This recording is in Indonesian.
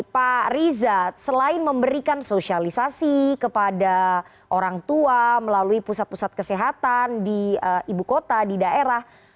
pak riza selain memberikan sosialisasi kepada orang tua melalui pusat pusat kesehatan di ibu kota di daerah